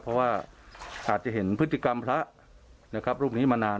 เพราะว่าอาจจะเห็นพฤติกรรมพระนะครับรูปนี้มานาน